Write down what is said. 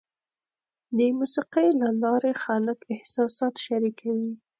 د موسیقۍ له لارې خلک احساسات شریکوي.